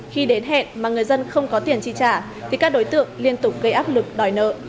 khi đến hẹn mà người dân không có tiền chi trả thì các đối tượng liên tục gây áp lực đòi nợ